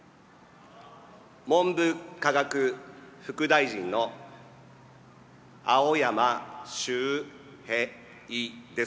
文部科学副大臣の青山周平です。